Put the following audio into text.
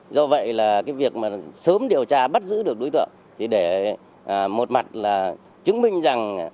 do vậy là cái việc mà sớm điều tra bắt giữ được đối tượng thì để một mặt là chứng minh rằng